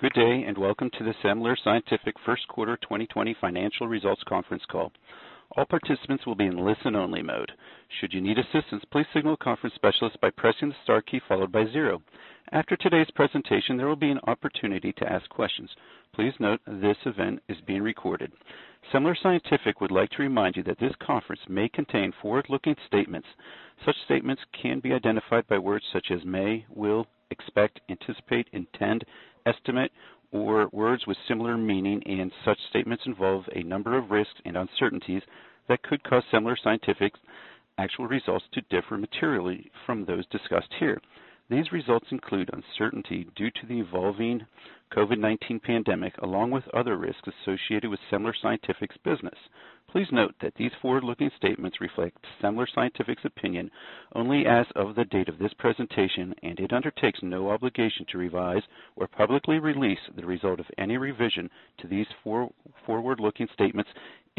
Good day, and welcome to the Semler Scientific first quarter 2020 financial results conference call. All participants will be in listen only mode. Should you need assistance, please signal a conference specialist by pressing the star key followed by zero. After today's presentation, there will be an opportunity to ask questions. Please note this event is being recorded. Semler Scientific would like to remind you that this conference may contain forward-looking statements. Such statements can be identified by words such as may, will, expect, anticipate, intend, estimate, or words with similar meaning, and such statements involve a number of risks and uncertainties that could cause Semler Scientific's actual results to differ materially from those discussed here. These results include uncertainty due to the evolving COVID-19 pandemic, along with other risks associated with Semler Scientific's business. Please note that these forward-looking statements reflect Semler Scientific's opinion only as of the date of this presentation, and it undertakes no obligation to revise or publicly release the result of any revision to these forward-looking statements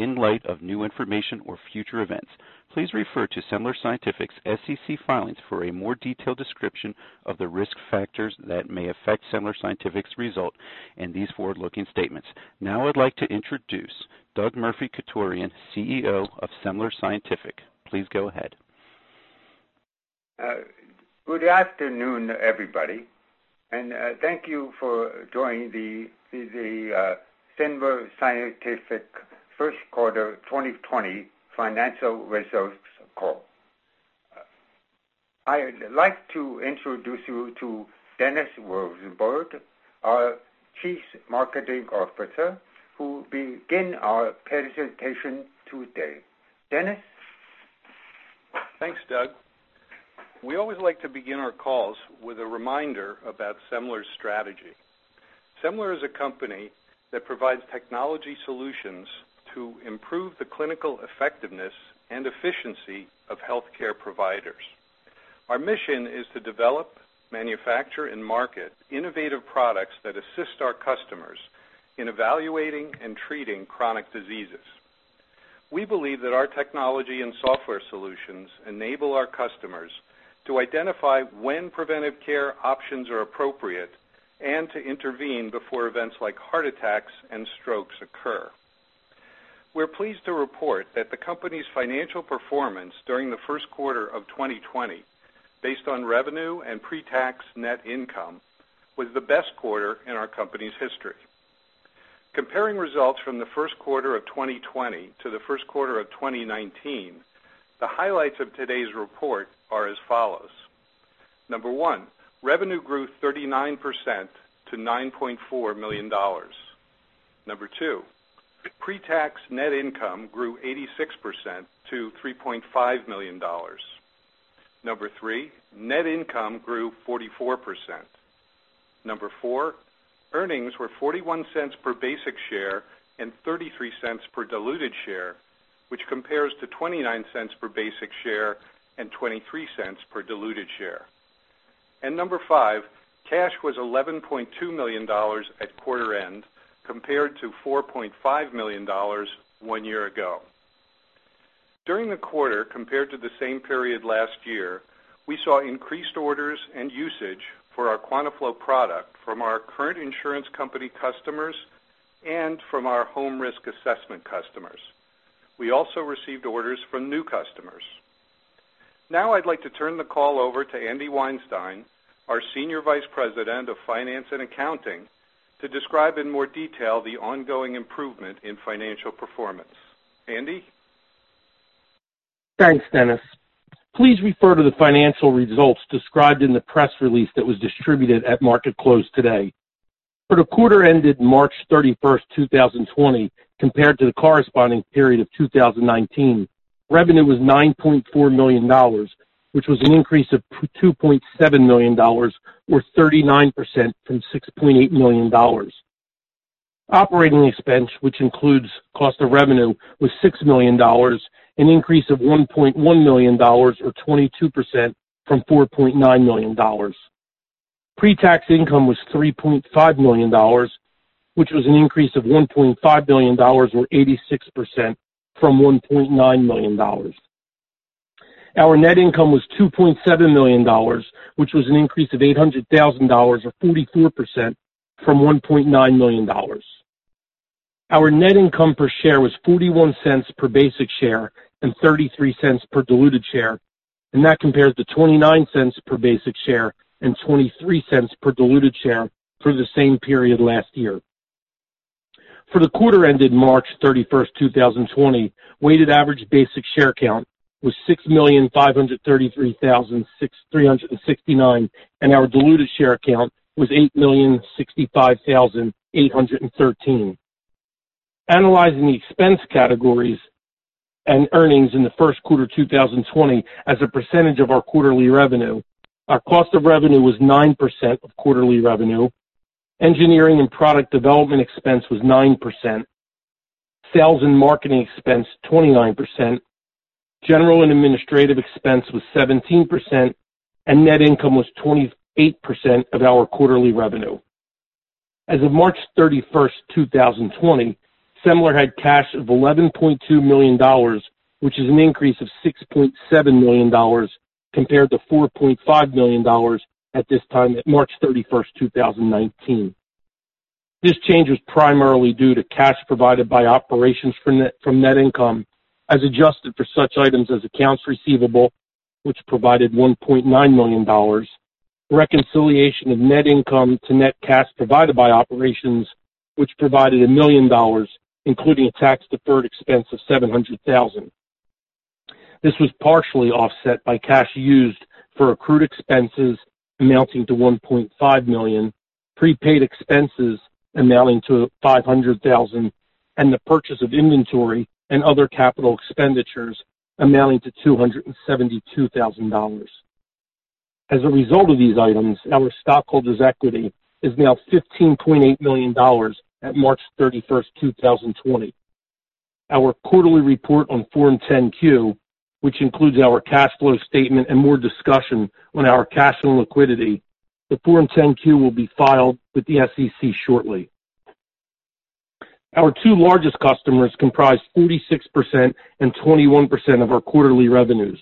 in light of new information or future events. Please refer to Semler Scientific's SEC filings for a more detailed description of the risk factors that may affect Semler Scientific's result and these forward-looking statements. Now I'd like to introduce Douglas Murphy-Chutorian, CEO of Semler Scientific. Please go ahead. Good afternoon, everybody, and thank you for joining the Semler Scientific first quarter 2020 financial results call. I'd like to introduce you to Dennis Rosenberg, our Chief Marketing Officer, who begin our presentation today. Dennis? Thanks, Doug. We always like to begin our calls with a reminder about Semler's strategy. Semler is a company that provides technology solutions to improve the clinical effectiveness and efficiency of healthcare providers. Our mission is to develop, manufacture, and market innovative products that assist our customers in evaluating and treating chronic diseases. We believe that our technology and software solutions enable our customers to identify when preventive care options are appropriate and to intervene before events like heart attacks and strokes occur. We're pleased to report that the company's financial performance during the first quarter of 2020, based on revenue and pre-tax net income, was the best quarter in our company's history. Comparing results from the first quarter of 2020 to the first quarter of 2019, the highlights of today's report are as follows. Number one, revenue grew 39% to $9.4 million. Number two, pre-tax net income grew 86% to $3.5 million. Number three, net income grew 44%. Number four, earnings were $0.41 per basic share and $0.33 per diluted share, which compares to $0.29 per basic share and $0.23 per diluted share. Number five, cash was $11.2 million at quarter-end, compared to $4.5 million one year ago. During the quarter, compared to the same period last year, we saw increased orders and usage for our QuantaFlo product from our current insurance company customers and from our home risk assessment customers. We also received orders from new customers. I'd like to turn the call over to Andrew Weinstein, our Senior Vice President of Finance and Accounting, to describe in more detail the ongoing improvement in financial performance. Andy? Thanks, Dennis. Please refer to the financial results described in the press release that was distributed at market close today. For the quarter ended March 31st, 2020 compared to the corresponding period of 2019, revenue was $9.4 million, which was an increase of $2.7 million, or 39% from $6.8 million. Operating expense, which includes cost of revenue, was $6 million, an increase of $1.1 million or 22% from $4.9 million. Pre-tax income was $3.5 million, which was an increase of $1.5 million or 86% from $1.9 million. Our net income was $2.7 million, which was an increase of $800,000, or 44%, from $1.9 million. Our net income per share was $0.41 per basic share and $0.33 per diluted share, and that compares to $0.29 per basic share and $0.23 per diluted share for the same period last year. For the quarter ended March 31st, 2020, weighted average basic share count was 6,533,369, and our diluted share count was 8,065,813. Analyzing the expense categories and earnings in the first quarter 2020 as a percentage of our quarterly revenue, our cost of revenue was 9% of quarterly revenue. Engineering and product development expense was 9%. Sales and marketing expense, 29%. General and administrative expense was 17%, and net income was 28% of our quarterly revenue. As of March 31st, 2020, Semler had cash of $11.2 million, which is an increase of $6.7 million compared to $4.5 million at this time at March 31st, 2019. This change was primarily due to cash provided by operations from net income, as adjusted for such items as accounts receivable, which provided $1.9 million, reconciliation of net income to net cash provided by operations, which provided $1 million, including a tax-deferred expense of $700,000. This was partially offset by cash used for accrued expenses amounting to $1.5 million, prepaid expenses amounting to $500,000, and the purchase of inventory and other capital expenditures amounting to $272,000. As a result of these items, our stockholders' equity is now $15.8 million at March 31st, 2020. Our quarterly report on Form 10-Q, which includes our cash flow statement and more discussion on our cash and liquidity. The Form 10-Q will be filed with the SEC shortly. Our two largest customers comprise 46% and 21% of our quarterly revenues.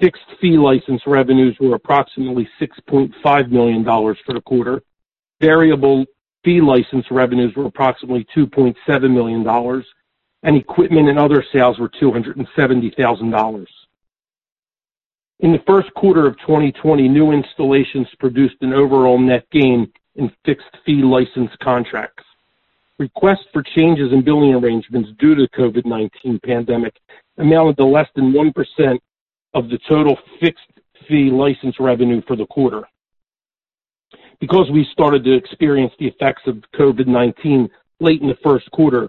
Fixed fee license revenues were approximately $6.5 million for the quarter. Variable fee license revenues were approximately $2.7 million, and equipment and other sales were $270,000. In the first quarter of 2020, new installations produced an overall net gain in fixed-fee license contracts. Requests for changes in billing arrangements due to the COVID-19 pandemic amounted to less than 1% of the total fixed-fee license revenue for the quarter. Because we started to experience the effects of COVID-19 late in the first quarter,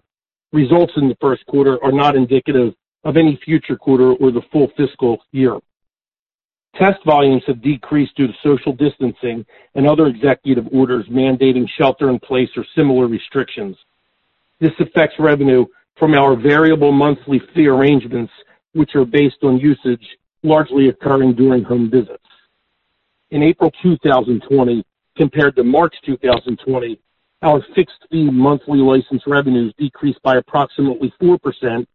results in the first quarter are not indicative of any future quarter or the full fiscal year. Test volumes have decreased due to social distancing and other executive orders mandating shelter-in-place or similar restrictions. This affects revenue from our variable monthly fee arrangements, which are based on usage, largely occurring during home visits. In April 2020 compared to March 2020, our fixed-fee monthly license revenues decreased by approximately 4%,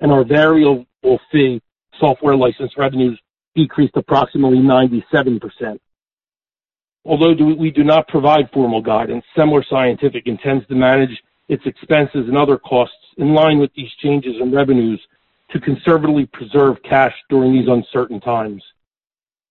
and our variable-fee software license revenues decreased approximately 97%. Although we do not provide formal guidance, Semler Scientific intends to manage its expenses and other costs in line with these changes in revenues to conservatively preserve cash during these uncertain times.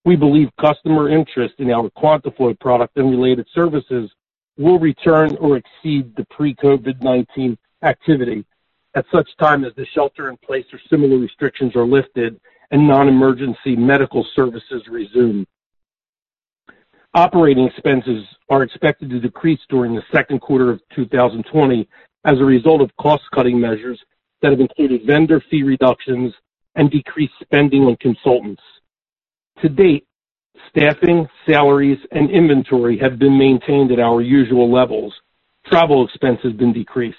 We believe customer interest in our QuantaFlo product and related services will return or exceed the pre-COVID-19 activity at such time as the shelter-in-place or similar restrictions are lifted and non-emergency medical services resume. Operating expenses are expected to decrease during the second quarter of 2020 as a result of cost-cutting measures that have included vendor fee reductions and decreased spending on consultants. To date, staffing, salaries, and inventory have been maintained at our usual levels. Travel expense has been decreased.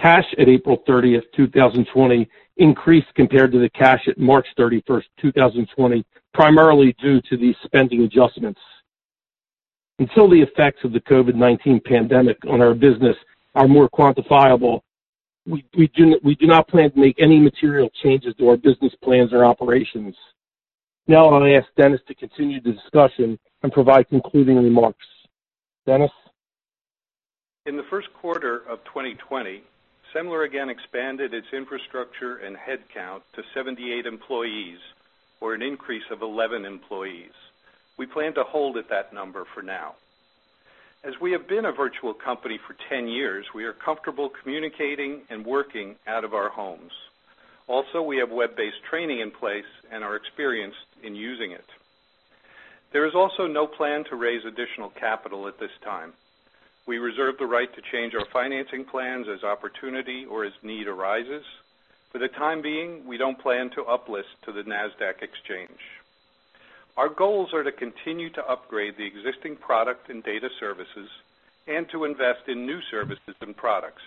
Cash at April 30th, 2020, increased compared to the cash at March 31st, 2020, primarily due to these spending adjustments. Until the effects of the COVID-19 pandemic on our business are more quantifiable, we do not plan to make any material changes to our business plans or operations. Now I ask Dennis to continue the discussion and provide concluding remarks. Dennis? In the first quarter of 2020, Semler again expanded its infrastructure and headcount to 78 employees or an increase of 11 employees. We plan to hold at that number for now. As we have been a virtual company for 10 years, we are comfortable communicating and working out of our homes. Also, we have web-based training in place and are experienced in using it. There is also no plan to raise additional capital at this time. We reserve the right to change our financing plans as opportunity or as need arises. For the time being, we don't plan to up-list to the Nasdaq Exchange. Our goals are to continue to upgrade the existing product and data services and to invest in new services and products.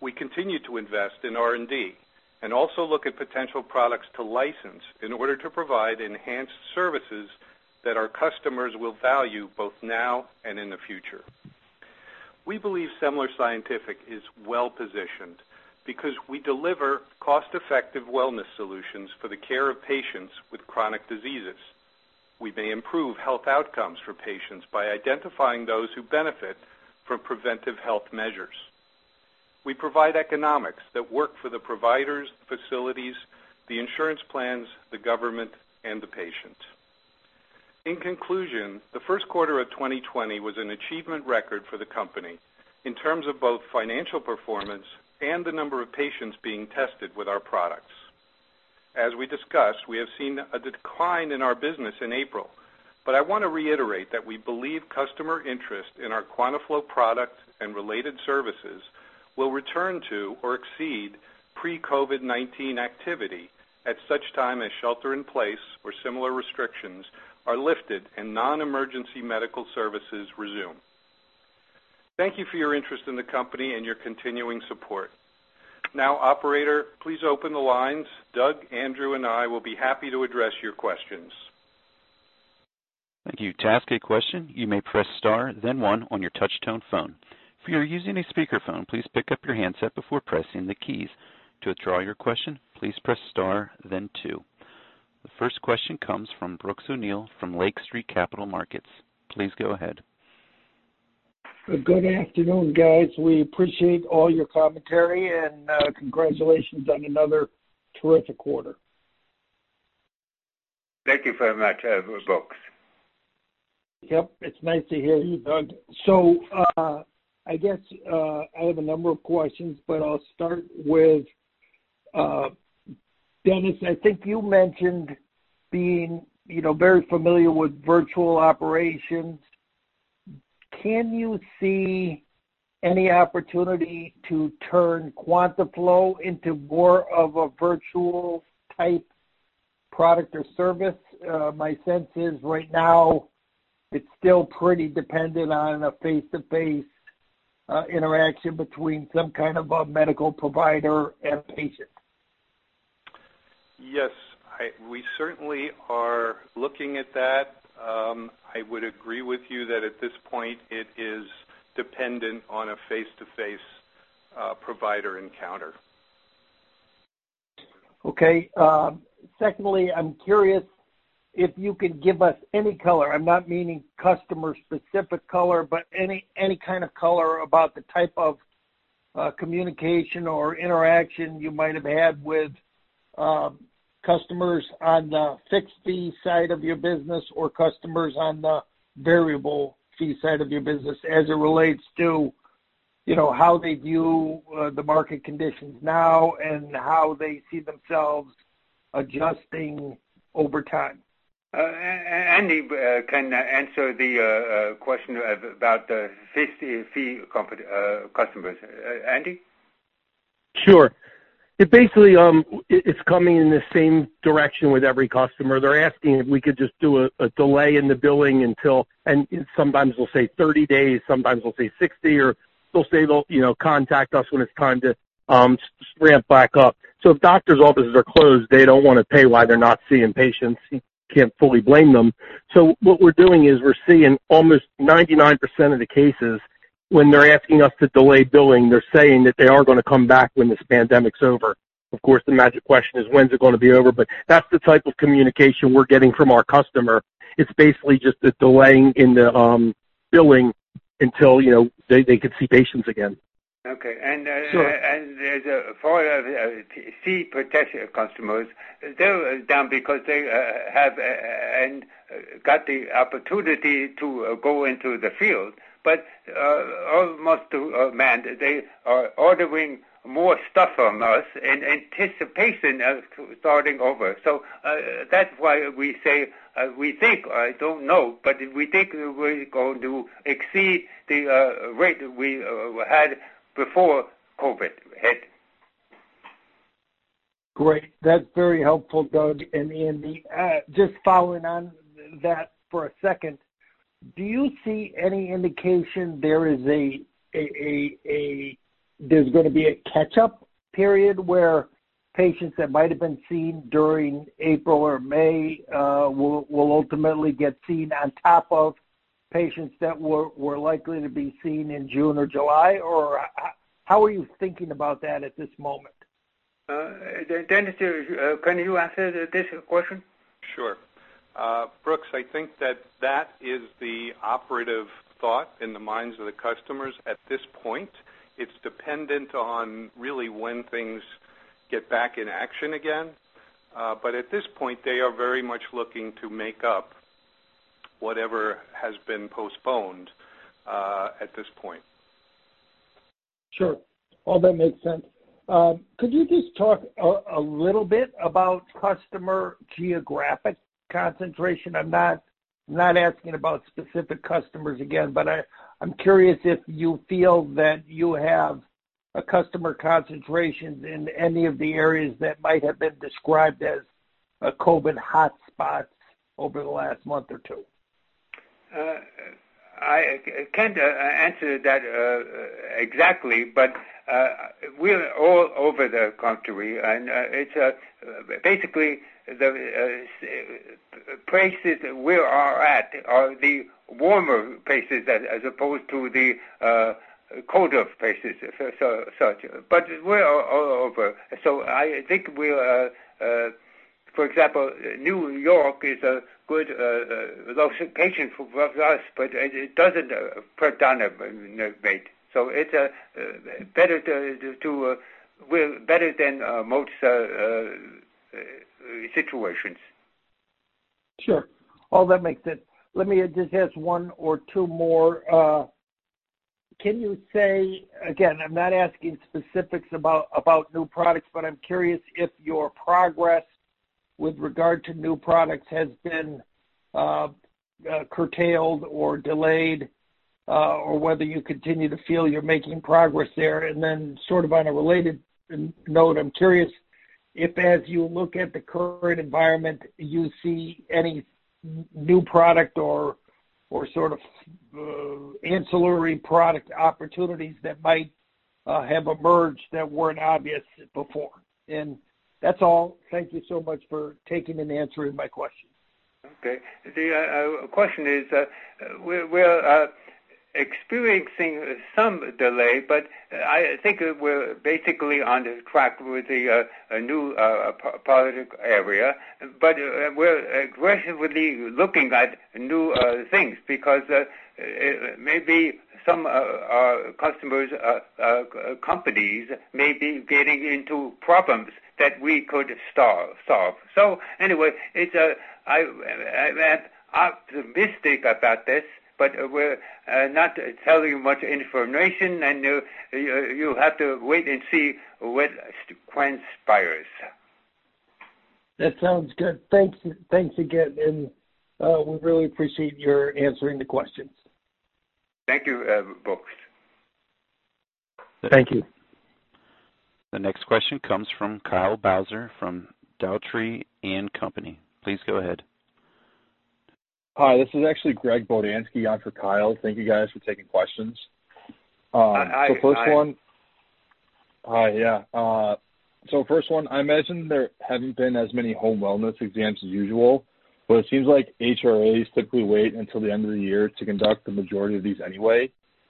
We continue to invest in R&D and also look at potential products to license in order to provide enhanced services that our customers will value both now and in the future. We believe Semler Scientific is well-positioned because we deliver cost-effective wellness solutions for the care of patients with chronic diseases. We may improve health outcomes for patients by identifying those who benefit from preventive health measures. We provide economics that work for the providers, facilities, the insurance plans, the government, and the patient. In conclusion, the first quarter of 2020 was an achievement record for the company in terms of both financial performance and the number of patients being tested with our products. As we discussed, we have seen a decline in our business in April, but I want to reiterate that we believe customer interest in our QuantaFlo product and related services will return to or exceed pre-COVID-19 activity at such time as shelter-in-place or similar restrictions are lifted and non-emergency medical services resume. Thank you for your interest in the company and your continuing support. Operator, please open the lines. Doug, Andrew, and I will be happy to address your questions. Thank you. To ask a question, you may press star then one on your touch-tone phone. If you are using a speakerphone, please pick up your handset before pressing the keys. To withdraw your question, please press star then two. The first question comes from Brooks O'Neil from Lake Street Capital Markets. Please go ahead. Good afternoon, guys. We appreciate all your commentary, and congratulations on another terrific quarter. Thank you very much, Brooks. Yep. It's nice to hear you, Doug. I guess, I have a number of questions, but I'll start with Dennis. I think you mentioned being very familiar with virtual operations. Can you see any opportunity to turn QuantaFlo into more of a virtual-type product or service? My sense is right now it's still pretty dependent on a face-to-face interaction between some kind of a medical provider and patient. Yes. We certainly are looking at that. I would agree with you that at this point it is dependent on a face-to-face provider encounter. Secondly, I'm curious if you could give us any color, I'm not meaning customer-specific color, but any kind of color about the type of communication or interaction you might have had with customers on the fixed-fee side of your business or customers on the variable-fee side of your business as it relates to how they view the market conditions now and how they see themselves adjusting over time. Andy can answer the question about the fixed-fee customers. Andy? Sure. Basically, it's coming in the same direction with every customer. They're asking if we could just do a delay in the billing, and sometimes they'll say 30 days, sometimes they'll say 60, or they'll say they'll contact us when it's time to ramp back up. If doctors' offices are closed, they don't want to pay while they're not seeing patients. You can't fully blame them. What we're doing is we're seeing almost 99% of the cases when they're asking us to delay billing, they're saying that they are going to come back when this pandemic's over. Of course, the magic question is, when's it going to be over? That's the type of communication we're getting from our customer. It's basically just a delaying in the billing until they could see patients again. Okay. Sure. For the fee protection customers, they're down because they have got the opportunity to go into the field. Almost to a man, they are ordering more stuff from us in anticipation of starting over. That's why we think, I don't know, but we think we're going to exceed the rate we had before COVID-19 hit. Great. That's very helpful, Doug and Andy. Just following on that for a second, do you see any indication there's going to be a catch-up period where patients that might have been seen during April or May will ultimately get seen on top of patients that were likely to be seen in June or July, or how are you thinking about that at this moment? Dennis, can you answer this question? Sure. Brooks, I think that that is the operative thought in the minds of the customers at this point. It's dependent on really when things get back in action again. At this point, they are very much looking to make up whatever has been postponed at this point. Sure. All that makes sense. Could you just talk a little bit about customer geographic concentration? I'm not asking about specific customers again, but I'm curious if you feel that you have a customer concentration in any of the areas that might have been described as COVID hot spots over the last month or two. I can't answer that exactly, but we're all over the country, and basically, the places we are at are the warmer places as opposed to the colder places, as such. We're all over. I think, for example, New York is a good location for us, but it doesn't pertain that much. It's better than most situations. Sure. All that makes sense. Let me just ask one or two more. Can you say, again, I'm not asking specifics about new products, but I'm curious if your progress with regard to new products has been curtailed or delayed, or whether you continue to feel you're making progress there. Then sort of on a related note, I'm curious if as you look at the current environment, you see any new product or ancillary product opportunities that might have emerged that weren't obvious before. That's all. Thank you so much for taking and answering my questions. Okay. The question is, we're experiencing some delay, but I think we're basically on track with the new product area. We're aggressively looking at new things because maybe some customers' companies may be getting into problems that we could solve. Anyway, I'm optimistic about this, but we're not telling you much information, and you'll have to wait and see what transpires. That sounds good. Thanks again, and we really appreciate your answering the questions. Thank you, Brooks. Thank you. The next question comes from Kyle Bauser, from Dougherty and Company. Please go ahead. Hi, this is actually Gregg Bodnar on for Kyle. Thank you guys for taking questions. Hi. Hi, yeah. First one, I imagine there haven't been as many home wellness exams as usual, but it seems like HRAs typically wait until the end of the year to conduct the majority of these anyway.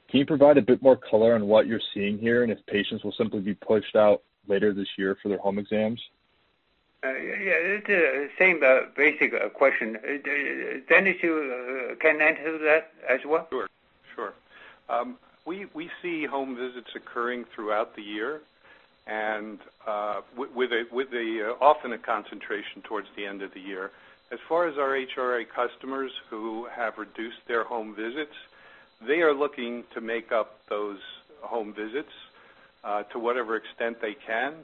Can you provide a bit more color on what you're seeing here, and if patients will simply be pushed out later this year for their home exams? Yeah. Same basic question. Dennis, you can answer that as well. Sure. We see home visits occurring throughout the year, and with often a concentration towards the end of the year. As far as our HRA customers who have reduced their home visits, they are looking to make up those home visits, to whatever extent they can,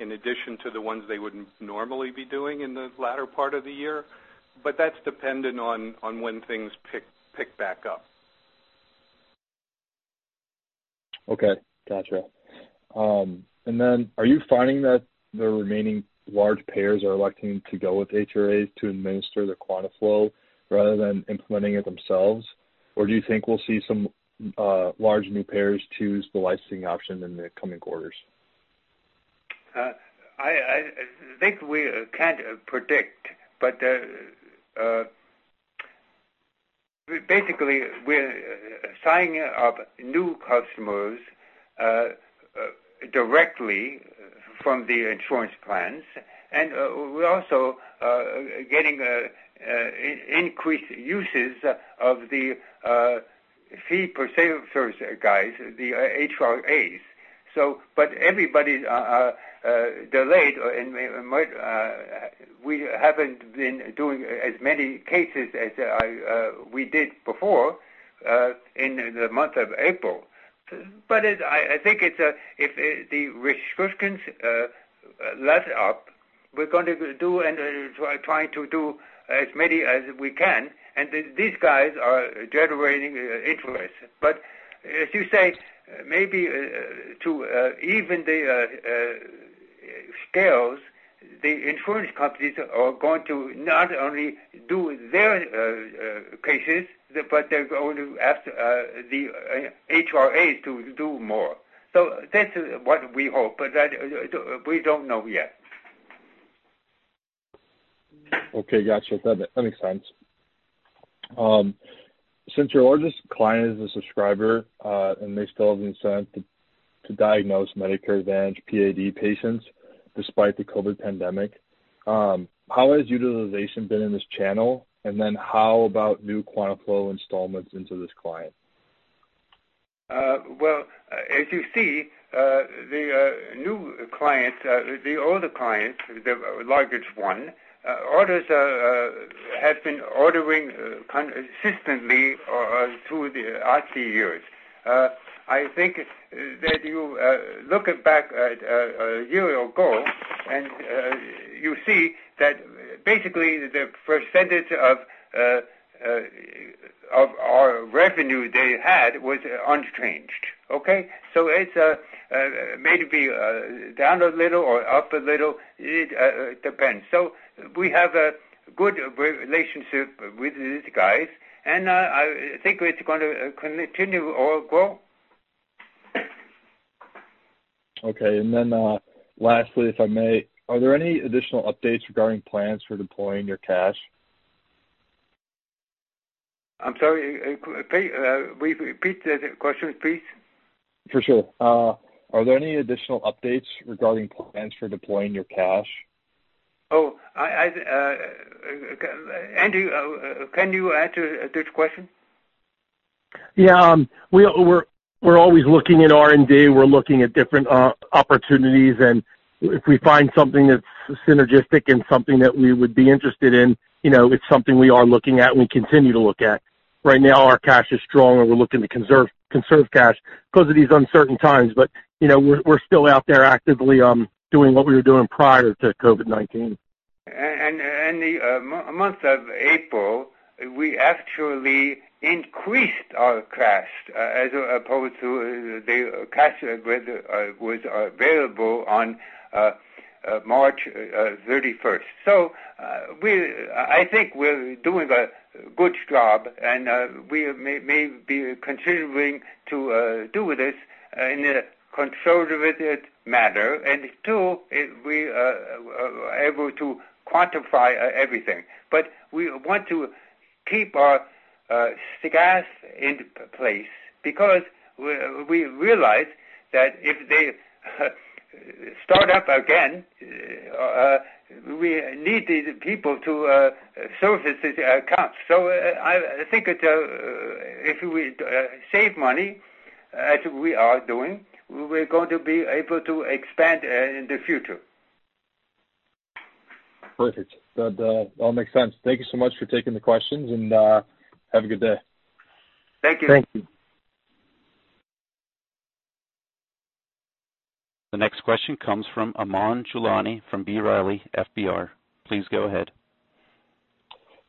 in addition to the ones they would normally be doing in the latter part of the year. That's dependent on when things pick back up. Okay. Got you. Are you finding that the remaining large payers are electing to go with HRAs to administer their QuantaFlo rather than implementing it themselves? Do you think we'll see some large new payers choose the licensing option in the coming quarters? I think we can't predict. Basically, we're signing up new customers directly from the insurance plans. We're also getting increased uses of the fee per service guys, the HRAs. Everybody's delayed. We haven't been doing as many cases as we did before in the month of April. I think if the restrictions let up, we're going to try to do as many as we can. These guys are generating interest. As you say, maybe to even the scales, the insurance companies are going to not only do their cases, but they're going to ask the HRA to do more. That's what we hope, but we don't know yet. Okay, got you. That makes sense. Since your largest client is a subscriber, and they still have incentive to diagnose Medicare Advantage PAD patients despite the COVID pandemic, how has utilization been in this channel? How about new QuantaFlo installments into this client? Well, as you see, the older client, the largest one, has been ordering consistently through the odd years. I think that you look back at a year ago, and you see that basically the percentage of our revenue they had was unchanged. Okay? It may be down a little or up a little. It depends. We have a good relationship with these guys, and I think it's going to continue or grow. Okay, lastly, if I may, are there any additional updates regarding plans for deploying your cash? I'm sorry. Repeat the question, please. For sure. Are there any additional updates regarding plans for deploying your cash? Oh, Andrew, can you answer this question? Yeah. We're always looking at R&D. We're looking at different opportunities, and if we find something that's synergistic and something that we would be interested in, it's something we are looking at and we continue to look at. Right now, our cash is strong, and we're looking to conserve cash because of these uncertain times. We're still out there actively doing what we were doing prior to COVID-19. In the month of April, we actually increased our cash as opposed to the cash that was available on March 31st. I think we're doing a good job, and we may be continuing to do this in a conservative manner, and two, we are able to quantify everything. We want to keep our staff in place because we realize that if they start up again, we need the people to service the accounts. I think if we save money as we are doing, we're going to be able to expand in the future. Perfect. That all makes sense. Thank you so much for taking the questions, and have a good day. Thank you. Thank you. The next question comes from Aman Garlapati from B. Riley FBR. Please go ahead.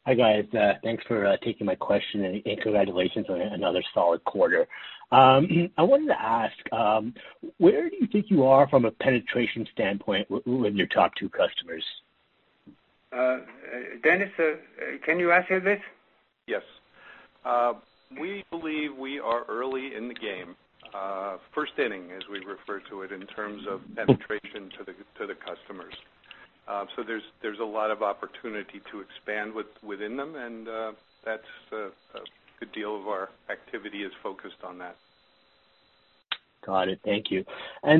Hi, guys. Thanks for taking my question, and congratulations on another solid quarter. I wanted to ask, where do you think you are from a penetration standpoint with your top two customers? Dennis, can you answer this? Yes. We believe we are early in the game. First inning, as we refer to it in terms of penetration to the customers. There's a lot of opportunity to expand within them and a good deal of our activity is focused on that. Got it. Thank you. Nice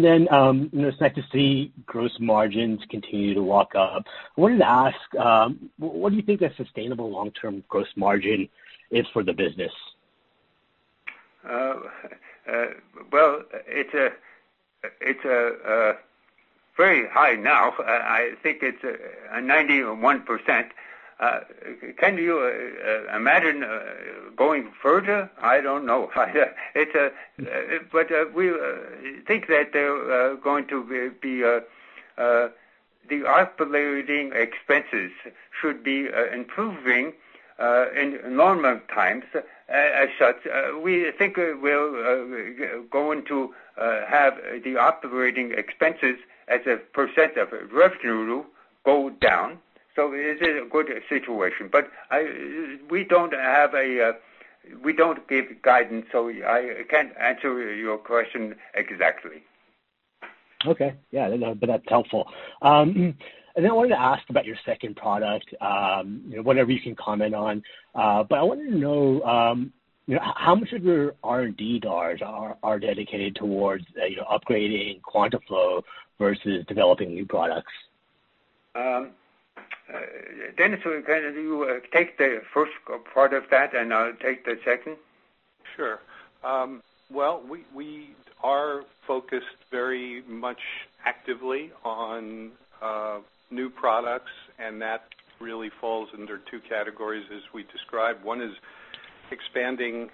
to see gross margins continue to walk up. I wanted to ask, what do you think a sustainable long-term gross margin is for the business? Well, it's very high now. I think it's 91%. Can you imagine going further? I don't know. We think that the operating expenses should be improving in normal times. As such, we think we're going to have the operating expenses as a percent of revenue go down. It is a good situation. We don't give guidance, so I can't answer your question exactly. Okay. Yeah, that's helpful. I wanted to ask about your second product, whatever you can comment on. I want to know how much of your R&D dollars are dedicated towards upgrading QuantaFlo versus developing new products. Dennis, can you take the first part of that, and I'll take the second? Sure. Well, we are focused very much actively on new products, and that really falls under two categories as we described. One is expanding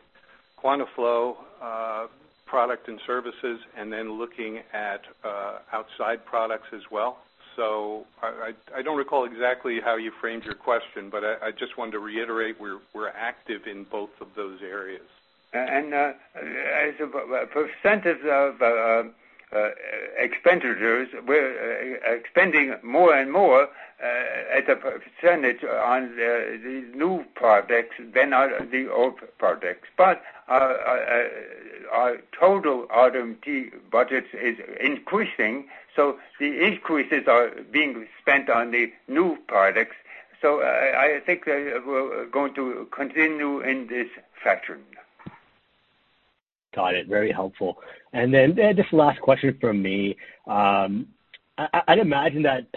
QuantaFlo product and services and then looking at outside products as well. I don't recall exactly how you framed your question, but I just wanted to reiterate we're active in both of those areas. As a percentage of expenditures, we're spending more and more as a percentage on these new projects than the old projects. Our total R&D budget is increasing, so the increases are being spent on the new projects. I think we're going to continue in this fashion. Got it. Very helpful. Just the last question from me. I'd imagine that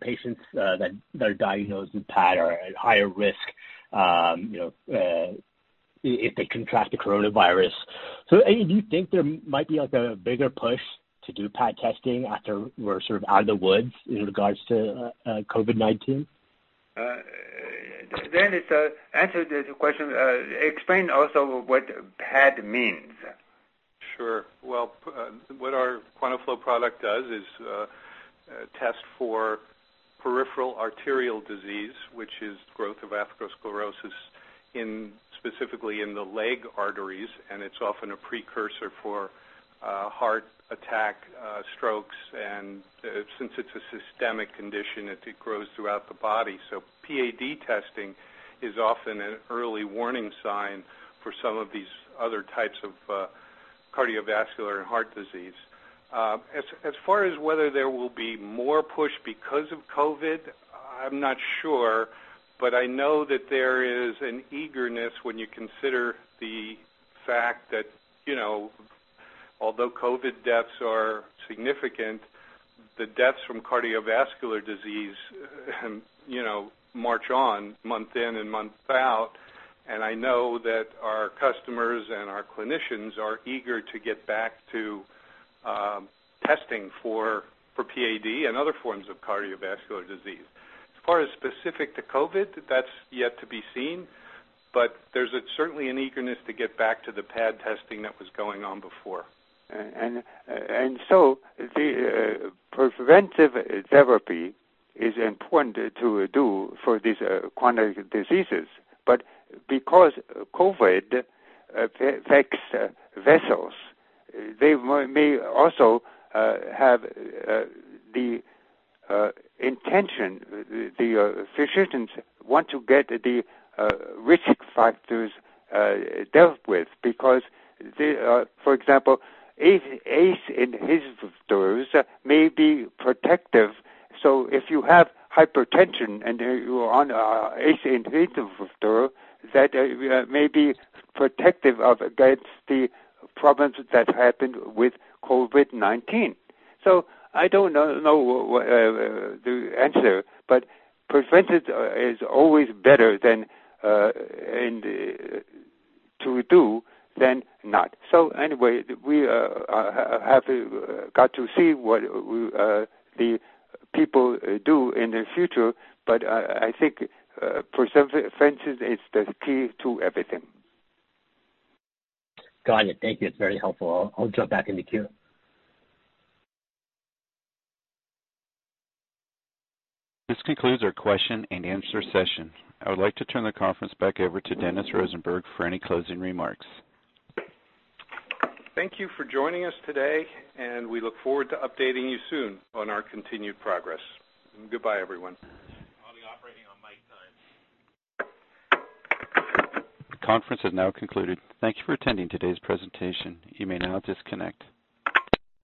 patients that are diagnosed with PAD are at higher risk if they contract the coronavirus. Do you think there might be a bigger push to do PAD testing after we're sort of out of the woods in regards to COVID-19? Dennis, answer this question. Explain also what PAD means. Sure. Well, what our QuantaFlo product does is test for peripheral arterial disease, which is growth of atherosclerosis specifically in the leg arteries, and it's often a precursor for heart attack, strokes, and since it's a systemic condition, it grows throughout the body. PAD testing is often an early warning sign for some of these other types of cardiovascular and heart disease. As far as whether there will be more push because of COVID-19, I'm not sure, but I know that there is an eagerness when you consider the fact that although COVID-19 deaths are significant, the deaths from cardiovascular disease march on, month in and month out, and I know that our customers and our clinicians are eager to get back to testing for PAD and other forms of cardiovascular disease. As far as specific to COVID-19, that's yet to be seen. There's certainly an eagerness to get back to the PAD testing that was going on before. The preventive therapy is important to do for these chronic diseases. Because COVID-19 affects vessels, they may also have the intention. The physicians want to get the risk factors dealt with because, for example, ACE inhibitors may be protective. If you have hypertension and you are on a ACE inhibitor, that may be protective against the problems that happened with COVID-19. I don't know the answer, but preventive is always better to do than not. Anyway, we have got to see what the people do in the future. I think preventive is the key to everything. Got it. Thank you. It's very helpful. I'll jump back in the queue. This concludes our question-and-answer session. I would like to turn the conference back over to Dennis Rosenberg for any closing remarks. Thank you for joining us today, and we look forward to updating you soon on our continued progress. Goodbye, everyone. I'll be operating on mic one. The conference has now concluded. Thank you for attending today's presentation. You may now disconnect.